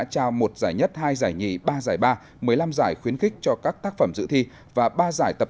trao một giải nhất hai giải nhì ba giải ba một mươi năm giải khuyến khích cho các tác phẩm dự thi và ba giải tập